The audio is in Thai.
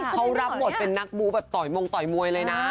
เขารับบทเป็นนักบู๊แบบต่อยมงต่อยมวยเลยนะ